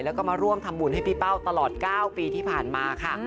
แล้วก็มาร่วมทำบุญให้พี่เป้าตลอด๙ปีที่ผ่านมาค่ะ